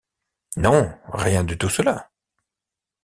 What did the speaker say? Non, rien de tout cela.